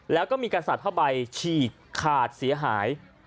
แล้วก็มีการสระไปฉี่ขาดเสียหาย